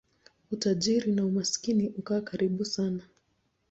Utajiri na umaskini hukaa karibu sana.